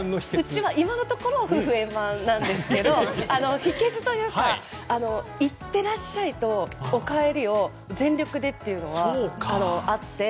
うちは今のところ夫婦円満なんですけど秘訣というかいってらっしゃいとおかえりを全力でというのがあって。